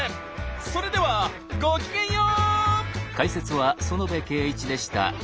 それではごきげんよう！